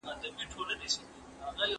لږې پیسې یې په لویې شتمنۍ بدلې کړې.